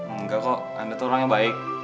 enggak kok anda tuh orang yang baik